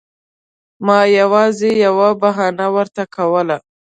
ما یوازې یوه بهانه ورته کوله.